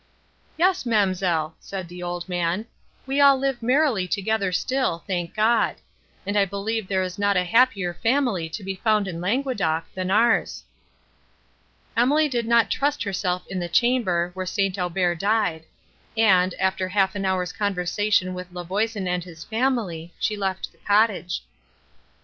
"Yes, ma'amselle," said the old man, "we all live merrily together still, thank God! and I believe there is not a happier family to be found in Languedoc, than ours." Emily did not trust herself in the chamber, where St. Aubert died; and, after half an hour's conversation with La Voisin and his family, she left the cottage.